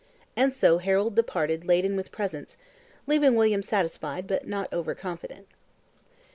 And so Harold departed laden with presents, leaving William satisfied, but not over confident.